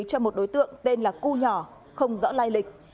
cho một đối tượng tên là cô nhỏ không rõ lai lịch